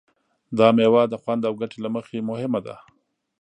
دا مېوه د خوند او ګټې له مخې مهمه ده.